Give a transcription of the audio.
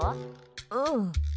うん。